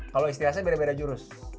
kalau istri saya beda beda jurus